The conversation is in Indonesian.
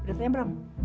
berarti nggak berangkat